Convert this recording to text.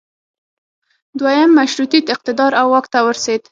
دویم مشروطیت اقتدار او واک ته ورسید.